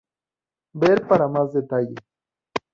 Ver para más detalles.